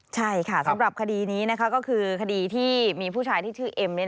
ใช่ค่ะสำหรับคดีนี้ก็คือคดีที่มีผู้ชายที่ชื่อเอ็ม